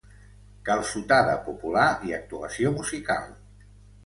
Calçotada popular i actuació musical